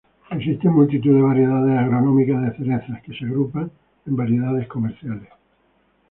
Existen multitud de variedades agronómicas de cerezas, que se agrupan en variedades comerciales.